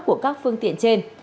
của các phương tiện trên